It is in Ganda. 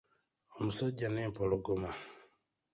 Omusajja n'empologoma.